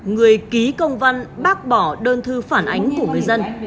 người ký công văn bác bỏ đơn thư phản ánh của người dân